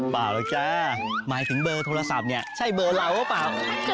เปล่าแล้วจ้าหมายถึงเบอร์โทรศัพท์เนี่ยใช่เบอร์เราหรือเปล่า